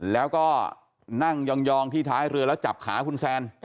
แล้วก็นั่งยองที่ท้ายเรือแล้วจับขาคุณแซน